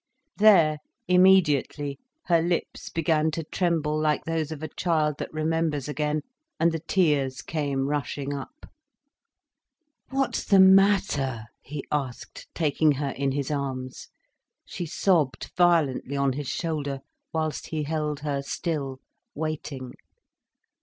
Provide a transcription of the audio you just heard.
There—immediately, her lips began to tremble like those of a child that remembers again, and the tears came rushing up. "What's the matter?" he asked, taking her in his arms. She sobbed violently on his shoulder, whilst he held her still, waiting.